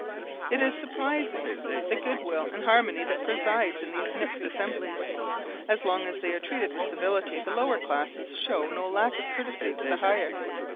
It is surprising the goodwill and harmony that presides in these mixed assemblies. As long as they are treated with civility, the lower classes shew no lack of courtesy to the higher.